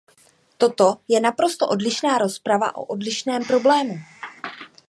Toto je naprosto odlišná rozprava o odlišném problému.